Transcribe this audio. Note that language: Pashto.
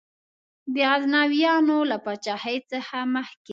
د غزنویانو له پاچهۍ څخه مخکي.